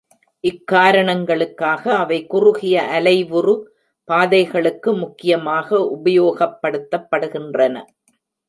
இக்காரணங்களுக்காக அவை குறுகிய அலைவுறு பாதைகளுக்கு முக்கியமாக உபயோகப்படுத்தப்படுகின்றன.